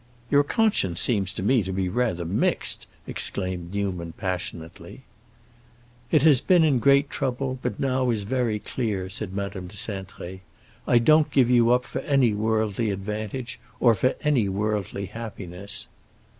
"Your conscience seems to me to be rather mixed!" exclaimed Newman, passionately. "It has been in great trouble, but now it is very clear," said Madame de Cintré. "I don't give you up for any worldly advantage or for any worldly happiness."